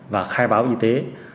và khai báo y tế